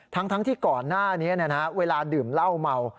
ทั้งที่ก่อนหน้านี้เวลาดื่มเหล้าเมา